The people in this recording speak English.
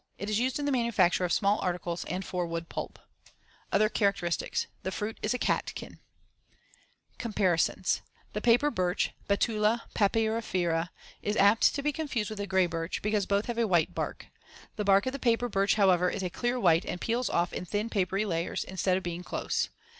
It is used in the manufacture of small articles and for wood pulp. Other characters: The fruit is a catkin. Comparisons: The paper birch (Betula papyrifera) is apt to be confused with the gray birch, because both have a white bark. The bark of the paper birch, however, is a clear white and peels off in thin papery layers instead of being close.